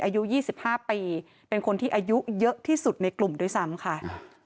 อายุ๒๕ปีเป็นคนที่อายุเยอะที่สุดในกลุ่มด้วยซ้ำค่ะ